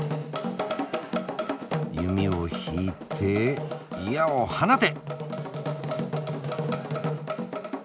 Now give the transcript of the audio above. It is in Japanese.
弓を引いて矢を放て！